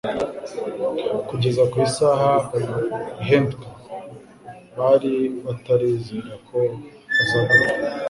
Kugeza ku isaha ihentka, bari batarizera ko aza gupfa;